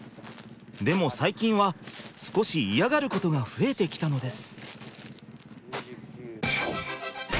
でも最近は少し嫌がることが増えてきたのです。